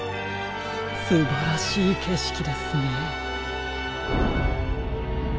すばらしいけしきですね。